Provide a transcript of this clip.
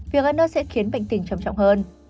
việc ăn ớt sẽ khiến bệnh tình trầm trọng hơn